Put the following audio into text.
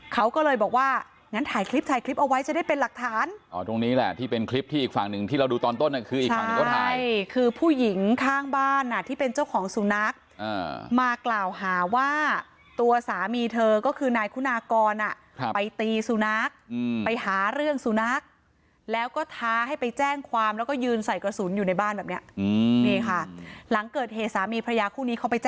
เขาก็เลยบอกว่างั้นถ่ายคลิปถ่ายคลิปเอาไว้จะได้เป็นหลักฐานอ๋อตรงนี้แหละที่เป็นคลิปที่อีกฝั่งหนึ่งที่เราดูตอนต้นคืออีกฝั่งหนึ่งเขาถ่ายใช่คือผู้หญิงข้างบ้านอ่ะที่เป็นเจ้าของสุนัขมากล่าวหาว่าตัวสามีเธอก็คือนายคุณากรอ่ะไปตีสุนัขไปหาเรื่องสุนัขแล้วก็ท้าให้ไปแจ้งความแล้วก็ยืนใส่กระสุนอยู่ในบ้านแบบเนี้ยอืม